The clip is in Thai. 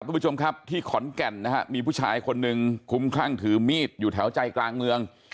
คุณผู้ชมครับที่ขอนแก่นนะฮะมีผู้ชายคนหนึ่งคุ้มคลั่งถือมีดอยู่แถวใจกลางเมือง